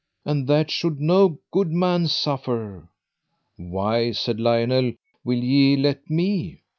and that should no good man suffer. Why, said Lionel, will ye let me?